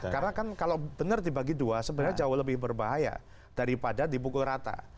karena kan kalau benar dibagi dua sebenarnya jauh lebih berbahaya daripada dibukul rata